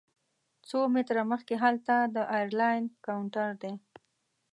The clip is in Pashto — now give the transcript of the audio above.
څو متره مخکې هلته د ایرلاین کاونټر دی.